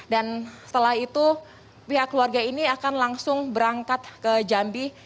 dan setelah itu pihak keluarga ini akan langsung berangkat ke jambi